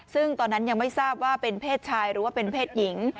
ซึ่งตอนนั้นยังไม่ทราบว่าเป็นเพศชายหรือว่าเป็นเพศหญิง